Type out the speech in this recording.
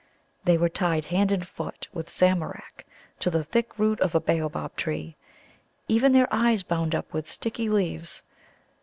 They were tied hand and foot with Samarak to the thick root of a Bōōbab tree, even their eyes bound up with sticky leaves.